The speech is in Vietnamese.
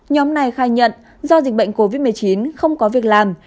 nhóm này khai nhận do dịch bệnh covid một mươi chín không có việc làm